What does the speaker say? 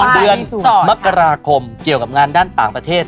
เดือน๒มกราคมเกี่ยวกับงานด้านต่างประเทศ